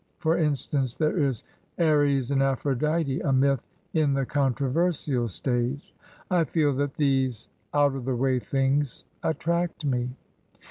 For instance, there is *Ares and Aphrodite,* a myth in the controversial stage. I feel that these out of the way things attract me."